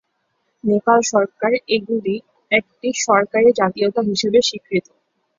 নেপাল সরকার এগুলি একটি সরকারী জাতীয়তা হিসাবে স্বীকৃত।